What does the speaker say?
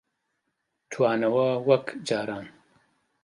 توانەوە وەک جاران